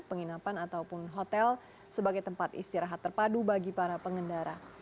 penginapan ataupun hotel sebagai tempat istirahat terpadu bagi para pengendara